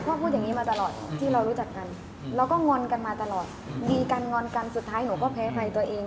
พูดอย่างนี้มาตลอดที่เรารู้จักกันเราก็งอนกันมาตลอดดีกันงอนกันสุดท้ายหนูก็แพ้ภัยตัวเอง